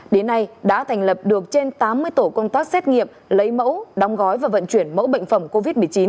đến nay đã thành lập được trên tám mươi tổ công tác xét nghiệm lấy mẫu đóng gói và vận chuyển mẫu bệnh phẩm covid một mươi chín